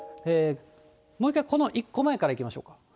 もう１回、この１個前からいきましょうか。